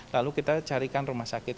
lalu kita carikan rumah sakit